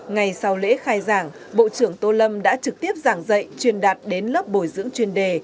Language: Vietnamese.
ngày sau lễ khai giảng bộ trưởng tô lâm đã trực tiếp giảng dạy truyền đạt đến lớp bồi dưỡng chuyên đề